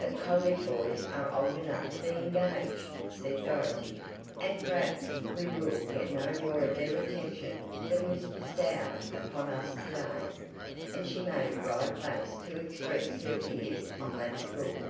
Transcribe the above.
"But college boys are old enough to be engaged," said Dorothy, "and perhaps we will get no more of their attention than was bestowed upon us to day," and she made a wry face to express her fears on that score.